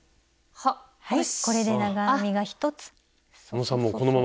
はい！